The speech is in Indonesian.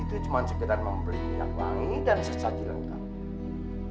itu cuma sekedar membeli wangi dan sesaji lengkap